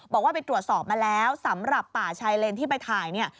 บอกว่าไปตรวจสอบมาแล้วสำหรับป่าชายเลนที่ไปถ่ายเนี่ย